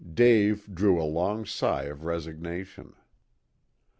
Dave drew a long sigh of resignation.